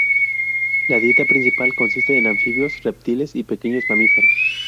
La dieta principal consiste en anfibios, reptiles y pequeños mamíferos.